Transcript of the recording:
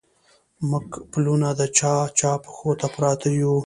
موږه پلونه د چا، چا پښو ته پراته يو